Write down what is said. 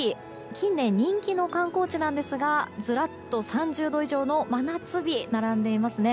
近年、人気の観光地なんですがずらっと３０度以上の真夏日、並んでいますね。